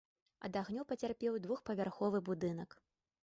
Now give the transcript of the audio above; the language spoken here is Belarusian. Ад агню пацярпеў двухпавярховы будынак.